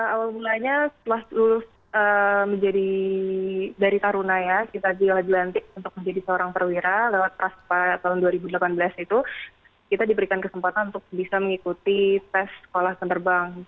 awal mulanya setelah menjadi dari taruna ya kita juga dilantik untuk menjadi seorang perwira lewat praspa tahun dua ribu delapan belas itu kita diberikan kesempatan untuk bisa mengikuti tes sekolah penerbang